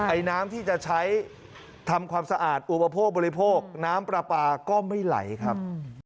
ไอน้ำที่จะใช้ทำความสะอาดอุปโภคบริโภคน้ำปลาปลาก็ไม่ไหลครับ